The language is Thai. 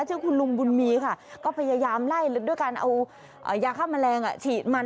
ชื่อคุณลุงบุญมีค่ะก็พยายามไล่ด้วยการเอายาฆ่าแมลงฉีดมัน